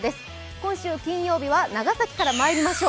今週金曜日は長崎からまいりましょう。